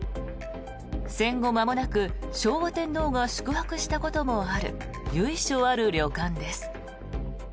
戦後まもなく昭和天皇が宿泊したこともある由緒ある旅館です。